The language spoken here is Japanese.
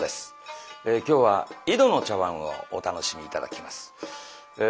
今日は「井戸の茶碗」をお楽しみ頂きます。